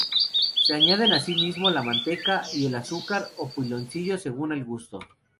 Se añaden así mismo la manteca y el azúcar o piloncillo, según el gusto.